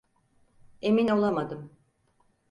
Emin olamadım.